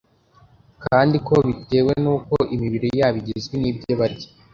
kandi ko, bitewe n’uko imibiri yabo igizwe n’ibyo barya